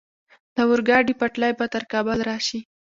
د اورګاډي پټلۍ به تر کابل راشي؟